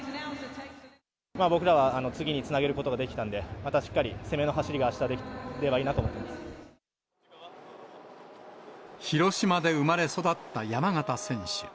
僕らは次につなげることができたんで、またしっかり攻めの走りが、あしたできればいいなと思ってま広島で生まれ育った山縣選手。